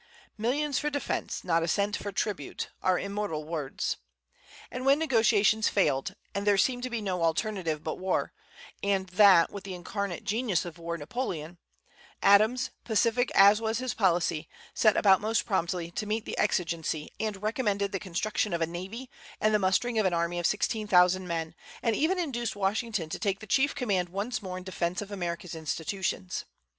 "Millions for defence, not a cent for tribute," are immortal words. And when negotiations failed, and there seemed to be no alternative but war, and that with the incarnate genius of war, Napoleon, Adams, pacific as was his policy, set about most promptly to meet the exigency, and recommended the construction of a navy, and the mustering of an army of sixteen thousand men, and even induced Washington to take the chief command once more in defence of American institutions.